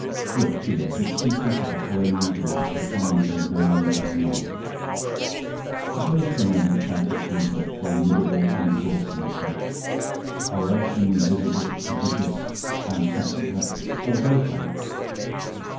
Look here, this secret of the Hollow Needle which you are trying so vainly to unravel: suppose, for a moment, that it is a formidable, inexhaustible treasure—or else an invisible, prodigious, fantastic refuge—or both perhaps.